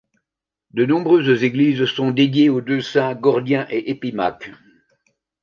De nombreuses églises sont dédiées aux deux saints Gordien et Épimaque.